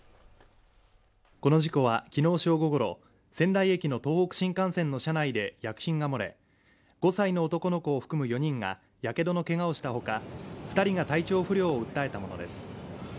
この事故はきのう正午ごろ仙台駅の東北新幹線の車内で薬品が漏れ５歳の男の子を含む４人がやけどの怪我をしたほか二人が体調不良を訴えたものです